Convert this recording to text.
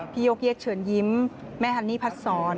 พี่โยเกียจเฉินยิ้มแม่ฮันนี่พัดศร